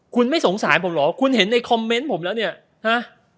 คุณไม่สงสารผมเหรอคุณเห็นในคอมเมนต์ผมแล้วเนี่ยฮะ